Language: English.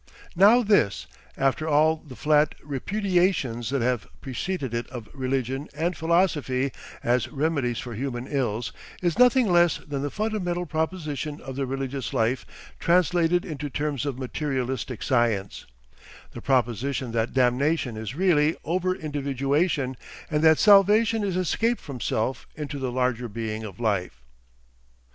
Now this, after all the flat repudiations that have preceded it of "religion" and "philosophy" as remedies for human ills, is nothing less than the fundamental proposition of the religious life translated into terms of materialistic science, the proposition that damnation is really over individuation and that salvation is escape from self into the larger being of life.